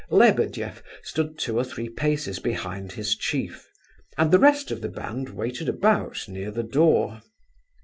Lebedeff stood two or three paces behind his chief; and the rest of the band waited about near the door.